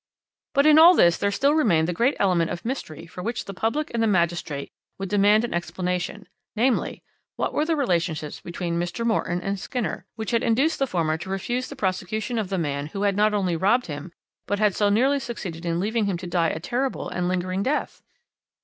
"But in all this there still remained the great element of mystery for which the public and the magistrate would demand an explanation: namely, what were the relationships between Mr. Morton and Skinner, which had induced the former to refuse the prosecution of the man who had not only robbed him, but had so nearly succeeded in leaving him to die a terrible and lingering death?